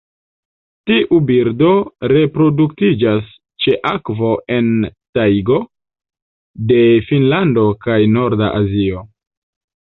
Tiu birdo reproduktiĝas ĉe akvo en tajgo de Finnlando kaj norda Azio.